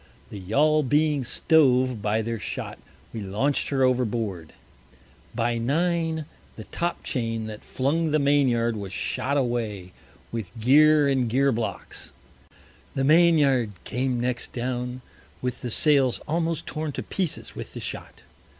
The Yaul being stove by their shot, we launch'd her overboard. By Nine, the Top chain that flung the Main yard, was shot away, with Geer and Geer Blocks. The Main yard came next down, with the Sails almost torn to Pieces with the Shot.